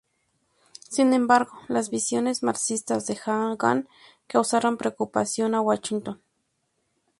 Sin embargo, las visiones marxistas de Jagan causaron preocupación en Washington.